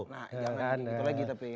nah jangan gini gitu lagi tapi